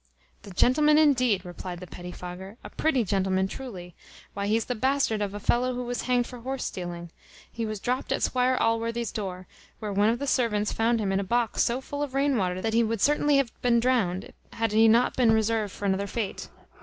"The gentleman, indeed!" replied the petty fogger; "a pretty gentleman, truly! Why, he's the bastard of a fellow who was hanged for horse stealing. He was dropt at Squire Allworthy's door, where one of the servants found him in a box so full of rain water, that he would certainly have been drowned, had he not been reserved for another fate."